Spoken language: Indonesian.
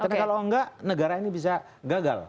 tapi kalau enggak negara ini bisa gagal